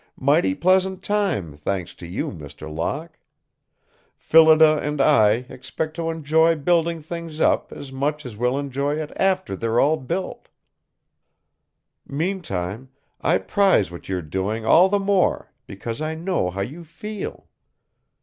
Mighty pleasant time, thanks to you, Mr. Locke! Phillida and I expect to enjoy building things up as much as we'll enjoy it after they're all built. Meantime, I prize what you're doing all the more because I know how you feel.